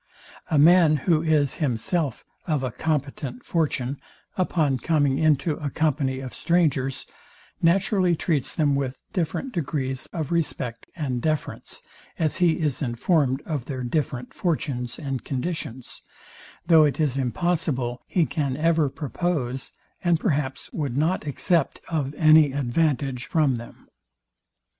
A man, who is himself of a competent fortune, upon coming into a company of strangers, naturally treats them with different degrees of respect and deference, as he is informed of their different fortunes and conditions; though it is impossible he can ever propose, and perhaps would not accept of any advantage from them.